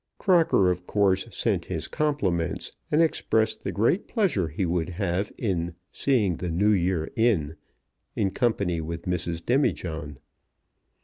Crocker, of course, sent his compliments, and expressed the great pleasure he would have in "seeing the New Year in" in company with Mrs. Demijohn.